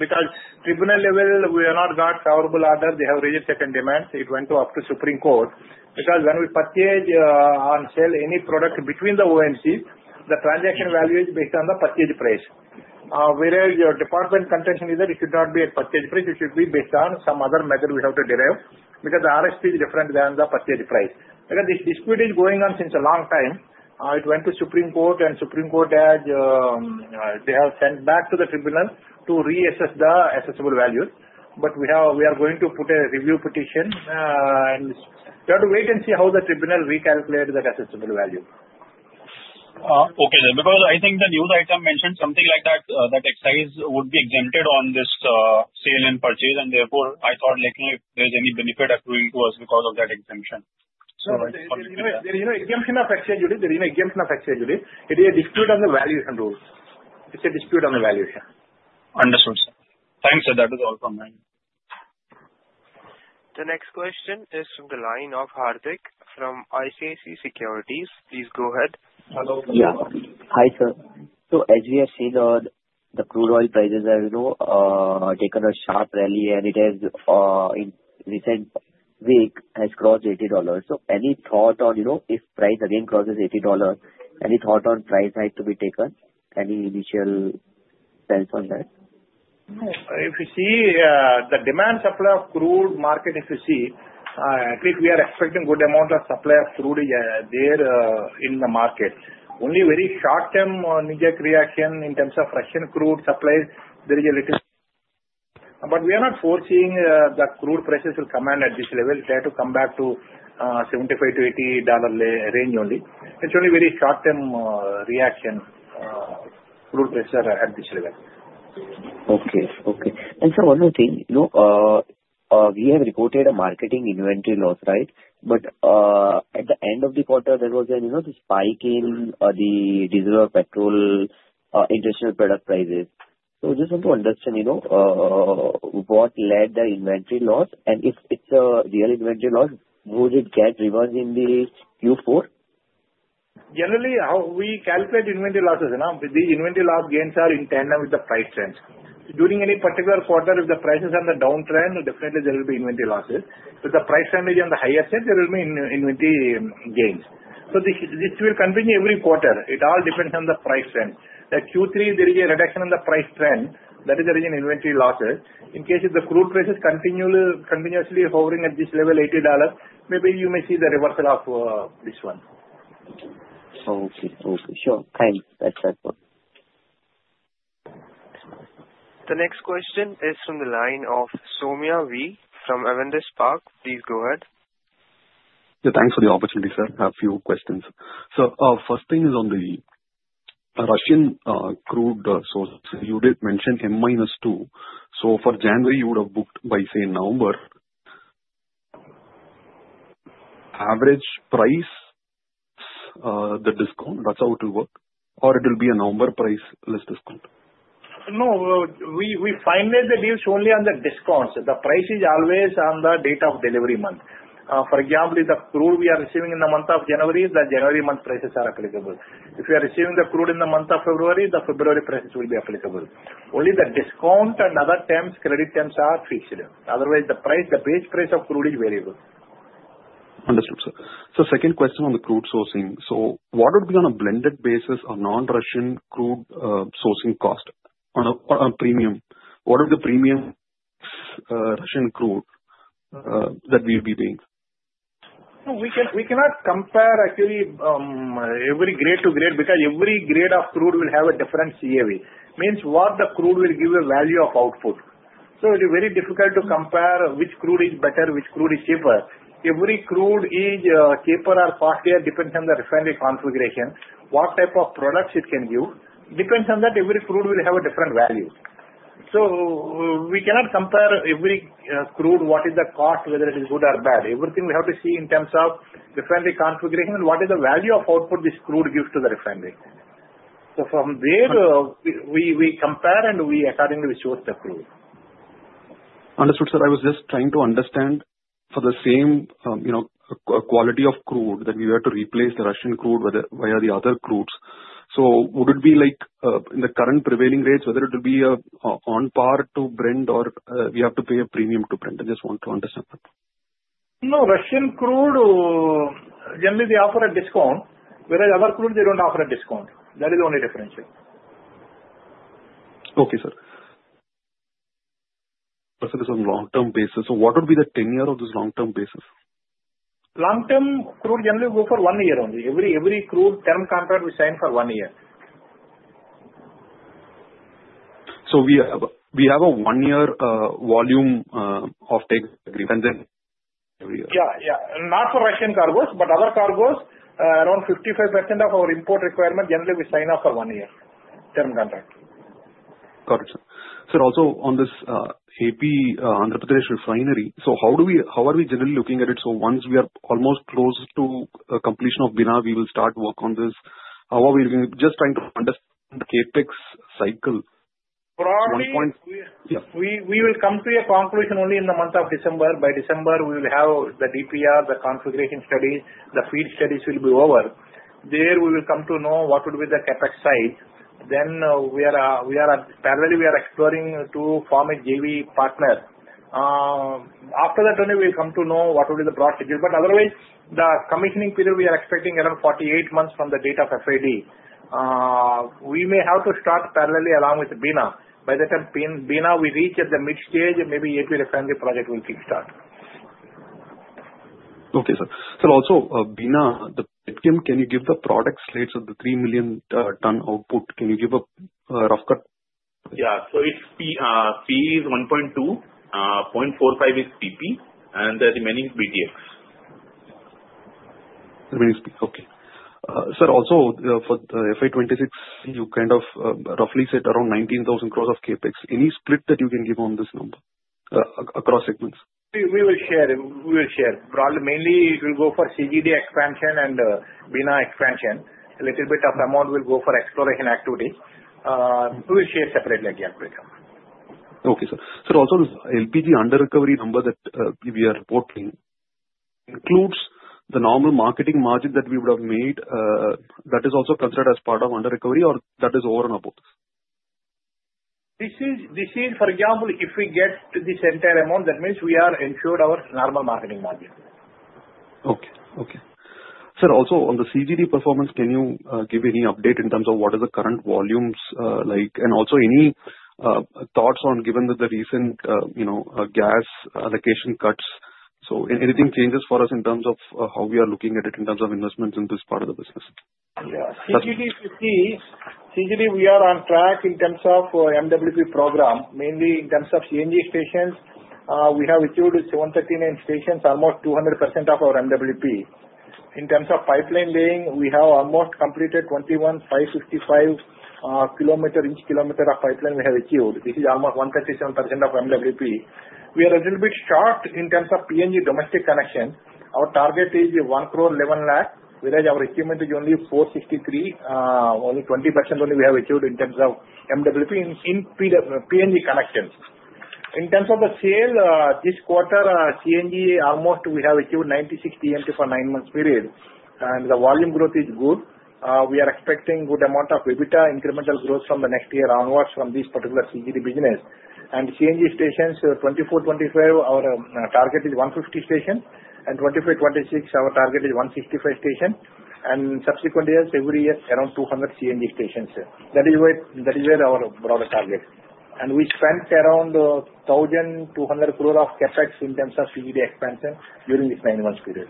because at tribunal level, we have not got favorable order. They have raised second demand. It went up to Supreme Court because when we purchase and sell any product between the OMCs, the transaction value is based on the purchase price. Whereas your department contention is that it should not be at purchase price. It should be based on some other method we have to derive because the RSP is different than the purchase price. Because this dispute is going on since a long time. It went to Supreme Court, and Supreme Court has sent back to the tribunal to reassess the assessable value. But we are going to put a review petition and try to wait and see how the tribunal recalculates that assessable value. Okay. Because I think the news item mentioned something like that, that excise would be exempted on this sale and purchase. Therefore, I thought there's any benefit accruing to us because of that exemption. There is no exemption of excise duty. There is no exemption of excise duty. It is a dispute on the valuation rules. It's a dispute on the valuation. Understood, sir. Thanks, sir. That is all from me. The next question is from the line of Hardik from ICICI Securities. Please go ahead. Hello. Yeah. Hi, sir. As we have seen, the crude oil prices have taken a sharp rally, and it has in recent weeks crossed $80. Any thought on if price again crosses $80, any thought on price side to be taken? Any initial sense on that? No. If you see the demand-supply of crude market, if you see, at least we are expecting a good amount of supply of crude there in the market. Only very short-term reaction in terms of Russian crude supplies. There is a little. But we are not forecasting the crude prices will come in at this level. [They'll] try to come back to $75 to 80 dollar range only. It's only very short-term reaction, crude prices are at this level. Okay. Okay. Sir, one more thing. We have reported a marketing inventory loss, right? But at the end of the quarter, there was a spike in the diesel or petrol international product prices. I just want to understand what led the inventory loss? If it's a real inventory loss, would it get reversed in the Q4? Generally, how we calculate inventory losses, the inventory loss gains are in tandem with the price trends. During any particular quarter, if the prices are in the downtrend, definitely there will be inventory losses. If the price trend is on the higher side, there will be inventory gains. This will continue every quarter. It all depends on the price trend. The Q3, there is a reduction in the price trend. That is, there is an inventory losses. In case if the crude prices continuously hovering at this level, $80, maybe you may see the reversal of this one. Okay. Okay. Sure. Thanks. That's helpful. The next question is from the line of Somaiah V from Avendus Spark. Please go ahead. Yeah. Thanks for the opportunity, sir. I have a few questions. First thing is on the Russian crude source, you did mention M-2. For January, you would have booked by, say, November. Average price, the discount, that's how it will work? Or it will be a November price less discount? No. We finance the deals only on the discounts. The price is always on the date of delivery month. For example, if the crude we are receiving in the month of January, the January month prices are applicable. If we are receiving the crude in the month of February, the February prices will be applicable. Only the discount and other terms, credit terms are fixed. Otherwise, the price, the base price of crude is variable. Understood, sir. Second question on the crude sourcing. What would be on a blended basis or non-Russian crude sourcing cost on a premium? What would the premium Russian crude that we will be paying? No. We cannot compare actually every grade to grade because every grade of crude will have a different CAV. Means what the crude will give a value of output. It is very difficult to compare which crude is better, which crude is cheaper. Every crude is cheaper or costlier depending on the refinery configuration, what type of products it can give. Depending on that, every crude will have a different value. We cannot compare every crude, what is the cost, whether it is good or bad. Everything we have to see in terms of refinery configuration and what is the value of output this crude gives to the refinery. From there, we compare and we accordingly source the crude. Understood, sir. I was just trying to understand for the same quality of crude that we were to replace the Russian crude via the other crudes. Would it be in the current prevailing rates, whether it would be on par to Brent or we have to pay a premium to Brent? I just want to understand that. No. Russian crude, generally, they offer a discount. Whereas other crude, they don't offer a discount. That is the only differential. Okay, sir. This is on long-term basis. What would be the tenure of this long-term basis? Long-term crude generally go for one year only. Every crude term contract we sign for one year. We have a one-year volume of take and then every year. Yeah. Yeah. Not for Russian cargoes, but other cargoes, around 55% of our import requirement, generally we sign off for one year term contract. Got it, sir. Sir, also on this AP refinery, so how are we generally looking at it? Once we are almost close to completion of Bina, we will start work on this. How are we just trying to understand the CAPEX cycle? Broadly, we will come to a conclusion only in the month of December. By December, we will have the DPR, the configuration studies. The field studies will be over. There we will come to know what would be the CAPEX size. Then we are parallelly exploring to form a JV partner. After that, only we'll come to know what would be the broad schedule. But otherwise, the commissioning period we are expecting around approximately 48 months from the date of FID. We may have to start parallelly along with Bina. By the time Bina we reach at the mid stage, maybe AP refinery project will kick start. Okay, sir. Sir, also Bina, the petchem, can you give the product slates of the 3 million ton output? Can you give a rough cut? Yeah. It's P is 1.2, 0.45 is PP, and the remaining is BTX. The remaining is PP. Okay. Sir, also for the FY26, you kind of roughly said around 19,000 crores of CAPEX. Any split that you can give on this number across segments? We will share. Broadly, mainly, it will go for CGD expansion and Bina expansion. A little bit of amount will go for exploration activity. We will share separately again later. Okay, sir. Sir, also this LPG under-recovery number that we are reporting includes the normal marketing margin that we would have made that is also considered as part of under-recovery or that is over and above? This is, for example, if we get this entire amount, that means we are ensured our normal marketing margin. Okay. Okay. Sir, also on the CGD performance, can you give any update in terms of what are the current volumes like? Also any thoughts on given that the recent gas allocation cuts? Anything changes for us in terms of how we are looking at it in terms of investments in this part of the business? Yeah. CGD, CGD, we are on track in terms of MWP program. Mainly in terms of CNG stations, we have achieved 739 stations, almost 200% of our MWP. In terms of pipeline laying, we have almost completed 21,555 kilometers each kilometer of pipeline we have achieved. This is almost 137% of MWP. We are a little bit short in terms of PNG domestic connection. Our target is 1 crore 11 lakh, whereas our achievement is only 463, only 20% only we have achieved in terms of MWP in PNG connections. In terms of the sale, this quarter, CNG almost we have achieved 96 TMT for nine months period. The volume growth is good. We are expecting a good amount of EBITDA incremental growth from the next year onwards from this particular CGD business. CNG stations, 24 and 25, our target is 150 stations. Subsequent years, every year around 200 CNG stations. That is where our broader target. We spent around 1,200 crore of CAPEX in terms of CGD expansion during this nine-month period.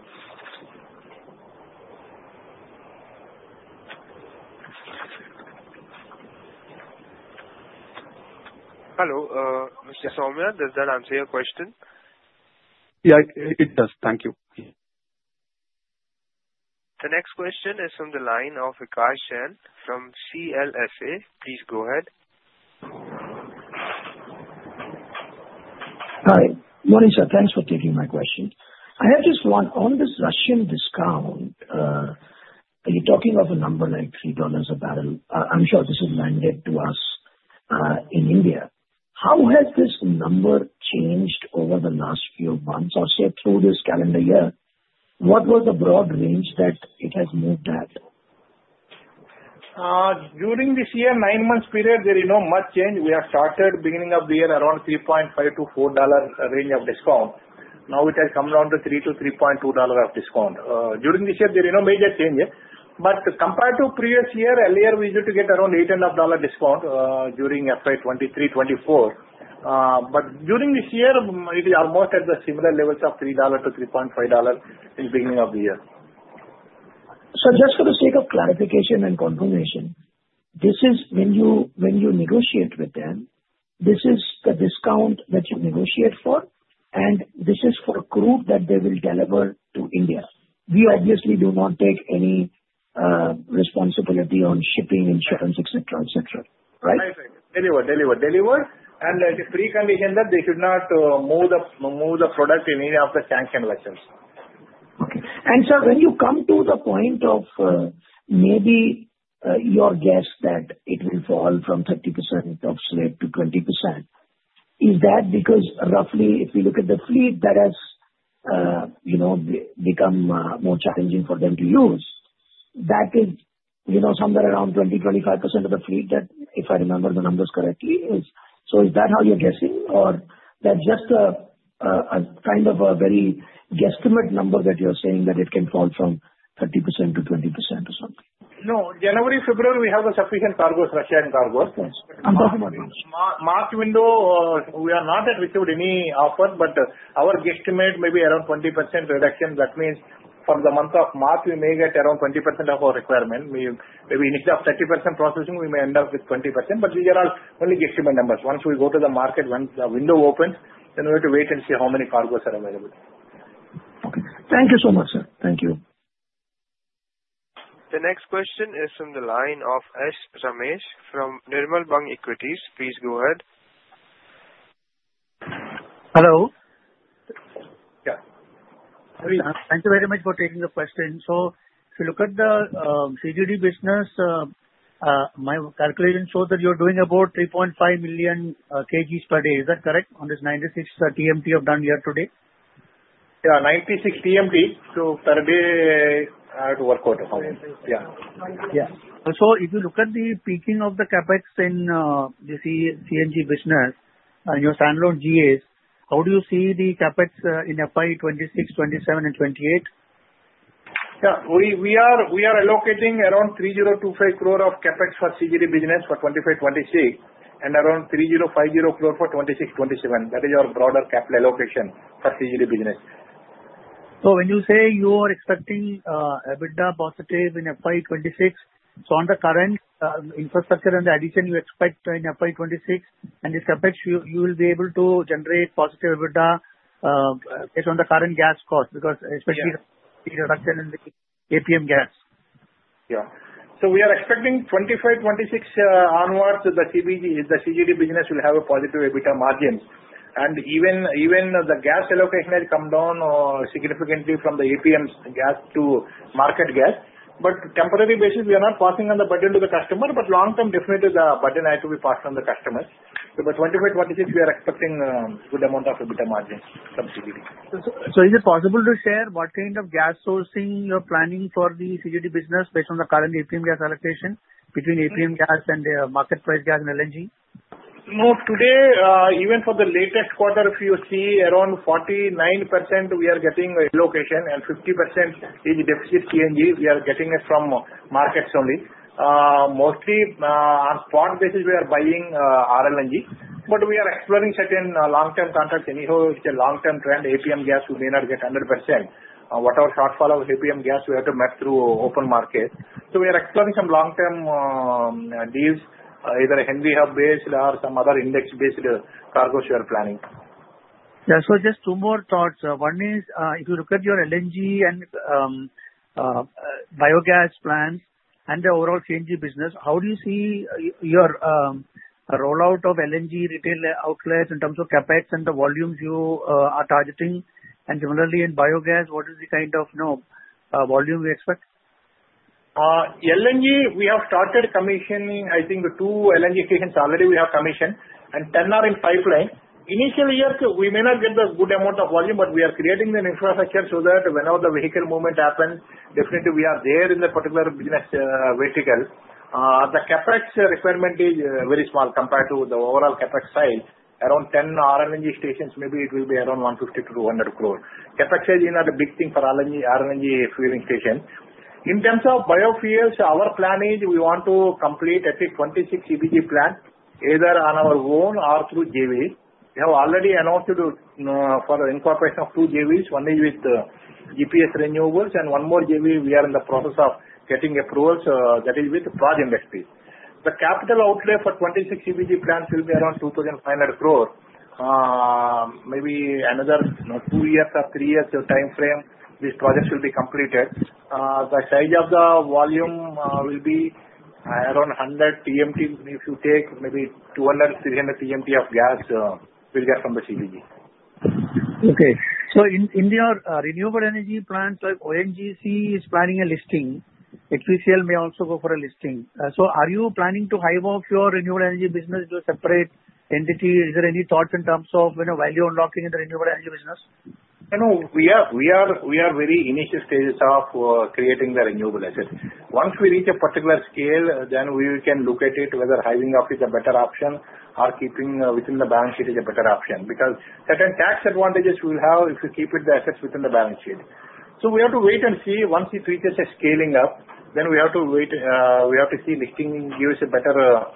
Hello. Mr. Somaiya, does that answer your question? Yeah, it does. Thank you. The next question is from the line of Vikas Jain from CLSA. Please go ahead. Hi. Morning, sir. Thanks for taking my question. I have just one on this Russian discount. You're talking of a number like $3 per barrel. I'm sure this is mandated to us in India. How has this number changed over the last few months or say through this calendar year? What was the broad range that it has moved at? During this year, nine months period, there is no much change. We have started beginning of the year around $3.5 to 4 range of discount. Now it has come down to $3 to 3.2 of discount. During this year, there is no major change. But compared to previous year, earlier we used to get around $8.5 discount during FY23 and 24. But during this year, it is almost at the similar levels of $3 to 3.5 in the beginning of the year. Sir, just for the sake of clarification and confirmation, this is when you negotiate with them, this is the discount that you negotiate for, and this is for crude that they will deliver to India. We obviously do not take any responsibility on shipping, insurance, etc., etc., right? Deliver, deliver, deliver, and it is preconditioned that they should not move the product in any of the sanctioned nations. Okay. Sir, when you come to the point of maybe your guess that it will fall from 30% of sweep to 20%, is that because roughly if you look at the fleet that has become more challenging for them to use, that is somewhere around 20 to 25% of the fleet that, if I remember the numbers correctly, is? Is that how you're guessing? Or that's just a kind of a very guesstimate number that you're saying that it can fall from 30% to 20% or something? In January, February, we have sufficient cargoes, Russian cargoes. Thanks. I'm talking about. Market window, we have not received any offer, but our guesstimate may be around 20% reduction. That means for the month of March, we may get around 20% of our requirement. Maybe instead of 30% processing, we may end up with 20%. But these are all only guesstimate numbers. Once we go to the market, when the window opens, then we have to wait and see how many cargoes are available. Okay. Thank you so much, sir. Thank you. The next question is from the line of S. Ramesh from Nirmal Bang Equities. Please go ahead. Hello. Yeah. Thank you very much for taking the question. If you look at the CGD business, my calculation shows that you're doing about 3.5 million kgs per day. Is that correct on this 96 TMT of done year to date? Yeah. 96 TMT, so per day I have to work out. Yeah. Yeah. If you look at the peaking of the CAPEX in the CNG business, your standalone GAs, how do you see the CAPEX in FY26, 27, and 28? Yeah. We are allocating around 3,025 crore of CAPEX for CGD business for 2025 and 2026, and around 3,050 crore for 2026 and 2027. That is our broader capital allocation for CGD business. When you say you are expecting EBITDA positive in FY26, so on the current infrastructure and the addition you expect in FY26 and this CAPEX, you will be able to generate positive EBITDA based on the current gas cost because especially reduction in the APM gas. Yeah. We are expecting 2025 and 2026 onwards the CGD business will have a positive EBITDA margin, and even the gas allocation has come down significantly from the APM gas to market gas, but temporary basis, we are not passing on the burden to the customer, but long-term definitely the burden has to be passed on the customers, so by 2025 and 2026, we are expecting a good amount of EBITDA margin from CGD. Is it possible to share what kind of gas sourcing you are planning for the CGD business based on the current APM gas allocation between APM gas and market price gas and LNG? No. Today, even for the latest quarter, if you see around 49% we are getting allocation and 50% is deficit CNG. We are getting it from markets only. Mostly on spot basis, we are buying RLNG. But we are exploring certain long-term contracts. Anyhow, it's a long-term trend. APM gas we may not get 100%. Whatever shortfall of APM gas, we have to make up through open market. We are exploring some long-term deals, either Henry Hub based or some other index-based cargoes we are planning. Yeah. Just two more thoughts. One is if you look at your LNG and biogas plants and the overall CNG business, how do you see your rollout of LNG retail outlets in terms of CAPEX and the volumes you are targeting? Similarly in biogas, what is the kind of volume we expect? LNG, we have started commissioning, I think, two LNG stations already we have commissioned and 10 are in pipeline. Initially, we may not get a good amount of volume, but we are creating an infrastructure so that whenever the vehicle movement happens, definitely we are there in the particular business vertical. The CAPEX requirement is very small compared to the overall CAPEX size. Around 10 RLNG stations, maybe it will be around 150-200 crores. CAPEX is not a big thing for RLNG fueling station. In terms of biofuels, our plan is we want to complete at least 26 CBG plants either on our own or through JVs. We have already announced for incorporation of two JVs. One is with GPS Renewables and one more JV we are in the process of getting approvals that is with the Praj Industries. The capital outlay for 26 CBG plants will be around 2,500 crore. Maybe another two years or three years time frame this project will be completed. The size of the volume will be around 100 TMT. If you take maybe 200 to 300 TMT of gas, we'll get from the CBG. Okay. In your renewable energy plants, ONGC is planning a listing. HPCL may also go for a listing. Are you planning to hive off your renewable energy business into a separate entity? Is there any thoughts in terms of value unlocking in the renewable energy business? No. We are very initial stages of creating the renewable asset. Once we reach a particular scale, then we can look at it whether hiving off is a better option or keeping within the balance sheet is a better option because certain tax advantages we'll have if we keep with the assets within the balance sheet. We have to wait and see. Once we reach a scaling up, then we have to wait. We have to see listing gives a better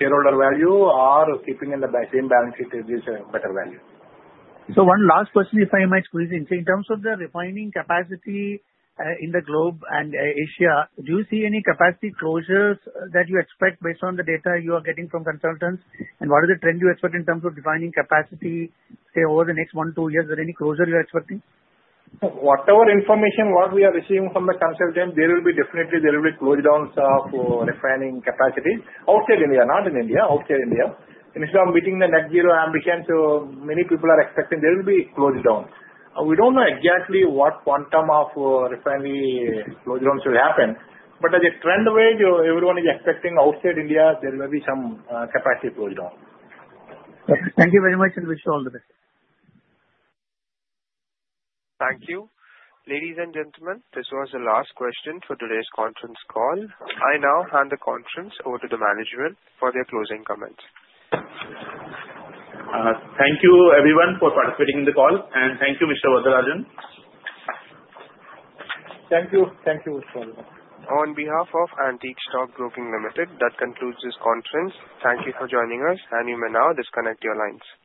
shareholder value or keeping in the same balance sheet gives a better value. One last question, if I may squeeze in. In terms of the refining capacity in the globe and Asia, do you see any capacity closures that you expect based on the data you are getting from consultants? And what is the trend you expect in terms of refining capacity, say, over the next one, two years? Is there any closure you're expecting? Whatever information we are receiving from the consultants, there will be definitely there will be closures of refining capacity outside India, not in India, outside India, and if you are meeting the Net Zero ambition, so many people are expecting there will be closures. We don't know exactly what quantum of refinery closures will happen, but as a trend wave, everyone is expecting outside India, there will be some capacity closure. Thank you very much and wish you all the best. Thank you. Ladies and gentlemen, this was the last question for today's conference call. I now hand the conference over to the management for their closing comments. Thank you, everyone, for participating in the call, and thank you, Mr. Varatharajan. Thank you. Thank you, Mr. Varatharajan. On behalf of Antique Stock Broking Limited, that concludes this conference. Thank you for joining us, and you may now disconnect your lines.